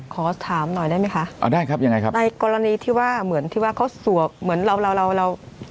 ขอถามหน่อยได้ไหมคะในกรณีที่ว่าเหมือนที่ว่าเขาสวกเหมือนเรา